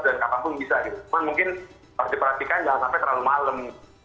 dan kapanpun bisa gitu cuman mungkin harus diperhatikan jangan sampai terlalu malem